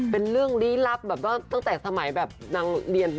เป็นเรื่องรีรับตั้งแต่สมัยแบบเรียน